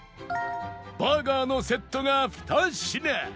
バーガーのセットが２品